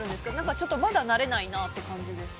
ちょっとまだ慣れないなって感じですか？